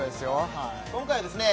はい今回はですね